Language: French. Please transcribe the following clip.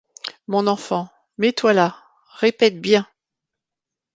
Mon enfant, mets-toi là ; répète bien.